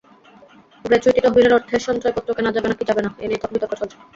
Gratuity তহবিলের অর্থে সঞ্চয়পত্র কেনা যাবে, নাকি যাবে না—এ নিয়ে বিতর্ক রয়েছে।